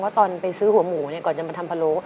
ว่าตอนไปซื้อหัวหมูก่อนจะมาทำพะโล